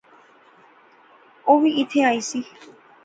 او وی ایتھیں ایہہ سی